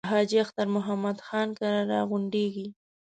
د حاجي اختر محمد خان کره را غونډېږي.